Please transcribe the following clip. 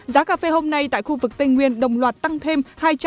giá cà phê hôm nay tại khu vực tây nguyên đồng loạt tăng thêm